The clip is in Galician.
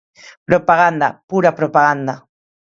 Propaganda, pura propaganda.